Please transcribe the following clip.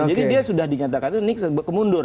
jadi dia sudah dinyatakan kemundur